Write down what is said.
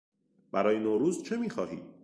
برای نوروز چه میخواهی؟